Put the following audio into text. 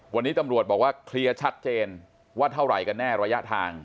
วันนี้ตำรวจบอกว่าเคลียร์ชัดเจนว่าเท่าไหร่กันแน่ระยะทาง